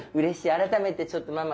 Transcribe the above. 改めてちょっとママ